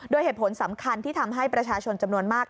โดยเหตุผลสำคัญที่ทำให้ประชาชนจำนวนมาก